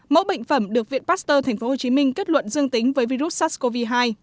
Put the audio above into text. mẫu bệnh phẩm được viện pasteur tp hcm kết luận dương tính với virus sars cov hai